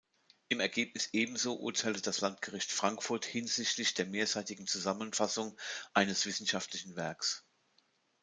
Im Ergebnis ebenso urteilte das Landgericht Frankfurt hinsichtlich der mehrseitigen Zusammenfassung eines wissenschaftlichen Werks.